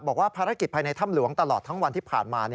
บอกว่าภารกิจภายในถ้ำหลวงตลอดทั้งวันที่ผ่านมา